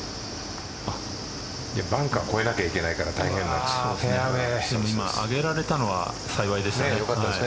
バンカー越えなきゃいけないから上げられたのは幸いでしたね。